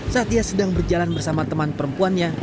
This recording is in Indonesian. saat ia sedang berjalan bersama teman perempuannya